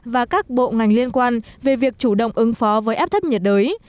và các bộ ngành liên quan về việc chủ động ứng phó với áp thấp nhiệt đới